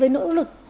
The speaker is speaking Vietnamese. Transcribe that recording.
với nỗ lực hồi hộp